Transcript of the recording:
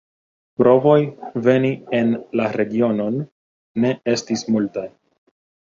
Provoj veni en la regionon ne estis multaj.